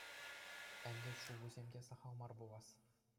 Ӗнтӗ ҫулусем те сахал мар пулас.